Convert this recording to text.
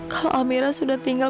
kalau amira sudah tinggal